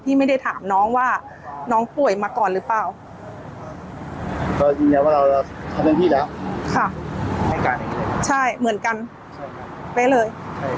ไม่ได้ถามน้องว่าน้องป่วยมาก่อนหรือเปล่าใช่เหมือนกันเป๊ะเลย